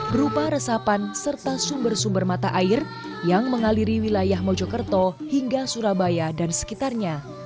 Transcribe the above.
berupa resapan serta sumber sumber mata air yang mengaliri wilayah mojokerto hingga surabaya dan sekitarnya